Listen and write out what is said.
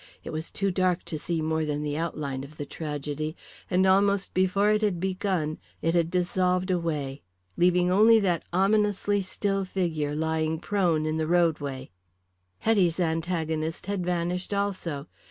It was too dark to see more than the outline of the tragedy, and almost before it had begun it had dissolved away, leaving only that ominously still figure lying prone in the roadway. Hetty's antagonist had vanished also.